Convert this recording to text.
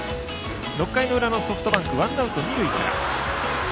６回の裏のソフトバンクワンアウト、二塁から。